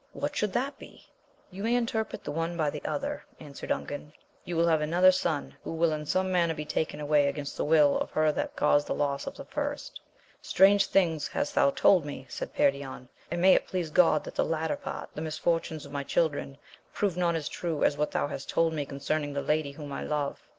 what should that be %— You may interpret the one by the other, answered Ungan : you will have another son, who will in some manner be taken away against the will of her that caused the loss of the first. Strange things hast thou told me i said Perion, and may it please God that the latter part, the misfortunes of my children, prove not so true as what thou hast told me concerning the lady whom I love.